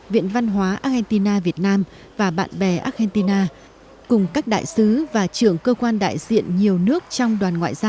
viện văn hóa argentina việt nam và bạn bè argentina cùng các đại sứ và trưởng cơ quan đại diện nhiều nước trong đoàn ngoại giao